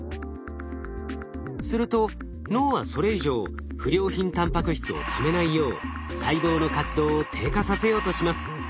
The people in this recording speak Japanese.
すると脳はそれ以上不良品タンパク質をためないよう細胞の活動を低下させようとします。